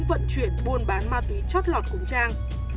đồng hương vận chuyển buôn bán ma túy chót lọt cùng trang